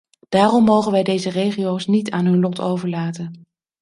Daarom mogen wij deze regio's niet aan hun lot overlaten.